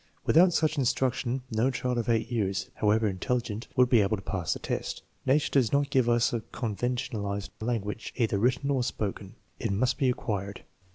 Without such instruction no child of 8 years, however intelligent, would be able to pass the test. Nature does not give us a conven tionalized language, either written or spoken. It must be acquired.